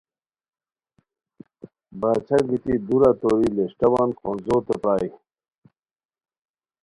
باچھا گیتی دورہ توری لشٹاوان خونځوتے پرائے